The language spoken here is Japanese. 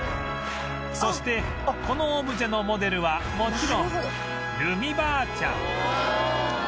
そしてこのオブジェのモデルはもちろんるみばあちゃん